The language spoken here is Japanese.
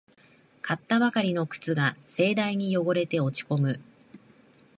買ったばかりの靴が盛大に汚れて落ちこむ